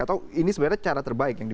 atau ini sebenarnya cara terbaik yang